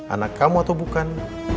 anak kamu atau bukan